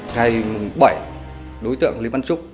ngày bảy đối tượng lý văn chức